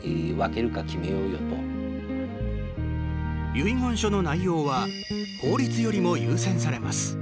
遺言書の内容は法律よりも優先されます。